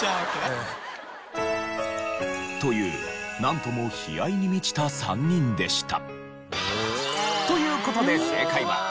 ええ。というなんとも悲哀に満ちた３人でした。